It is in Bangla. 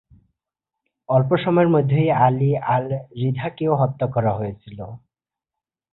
অল্প সময়ের মধ্যেই আলী আল-রিধাকেও হত্যা করা হয়েছিল।